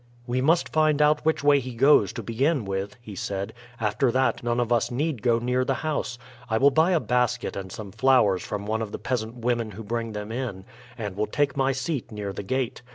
"We must find out which way he goes, to begin with," he said. "After that none of us need go near the house. I will buy a basket and some flowers from one of the peasant women who bring them in, and will take my seat near the gate.